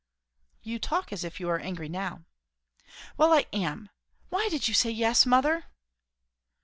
"You talk as if you were angry now." "Well I am! Why did you say yes, mother?"